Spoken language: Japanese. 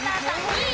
２位